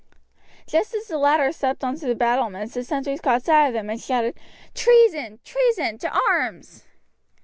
Just as the latter stepped on to the battlements the sentries caught sight of them and shouted: "Treason! treason! to arms!"